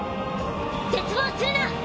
絶望するな！